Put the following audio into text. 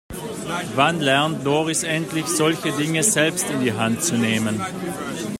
Wann lernt Doris endlich, solche Dinge selbst in die Hand zu nehmen?